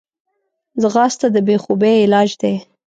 ځغاسته د بېخوبي علاج دی